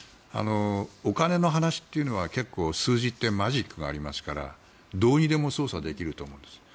お金の話っていうのは結構、数字ってマジックがありますからどうにでも操作できると思うんです。